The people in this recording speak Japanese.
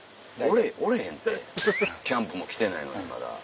おれへんってキャンプも来てないのにまだ。